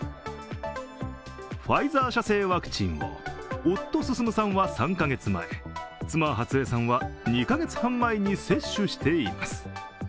ファイザー社製ワクチンを夫・進さんは３カ月前、妻、ハツエさんは２カ月半前に接種しています。